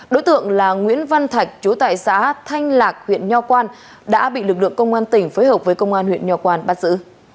đối tượng là nguyễn văn thạch chú tại xã thanh lạc huyện nho quang đã bị lực lượng công an tỉnh phối hợp với công an huyện nho quan bắt giữ